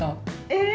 え！